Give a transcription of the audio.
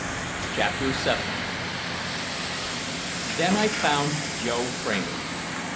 CHAPTER VII Then I found Joe Kramer.